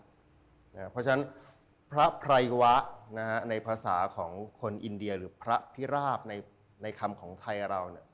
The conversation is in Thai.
เพราะฉะนั้นพระไพรวะในภาษาของคนอินเดียหรือพระพิราบในคำของไทยเรา